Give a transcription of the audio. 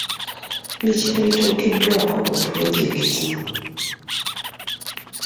Biki ebituukiddwako mu pulojekiti?